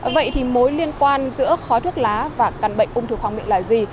vậy thì mối liên quan giữa khói thuốc lá và căn bệnh ung thư khoang miệng là gì